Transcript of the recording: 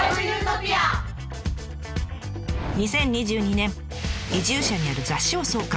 ２０２２年移住者による雑誌を創刊。